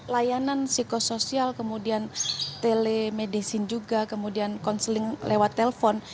layanan psikosoial kemudian telemedicine juga kemudian konseling lewat telpon